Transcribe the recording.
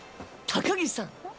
高木さん